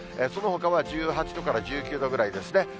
そのほかは１８度から１９度ぐらいですね。